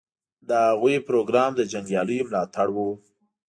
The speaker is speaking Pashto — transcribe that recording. د هغوی پروګرام د جنګیالیو ملاتړ و.